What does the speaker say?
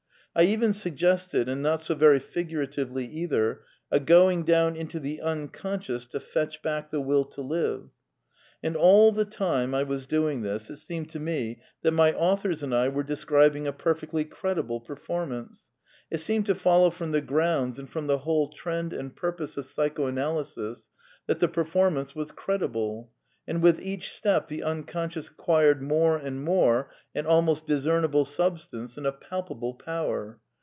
I even suggested, and not so very figuratively either, a going down into the Unconscious to fetch back the Will to live. And all the time I was doing it, it seemed to me that my authors and I were describing a perfectly credible per formance. It seemed to follow from the grounds and PAN PSYCHISM OF SAMUEL BUTLER 11 from the whole trend and purpose of Psychoanalysis that the performance was credible; and with each step the Un conscious acquired more and more an almost discernible substance and a palpable power.